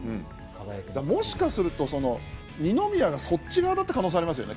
もしかすると二宮がそっちだった可能性がありますね。